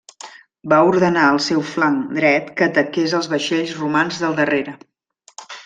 Va ordenar al seu flanc dret que ataqués els vaixells romans del darrere.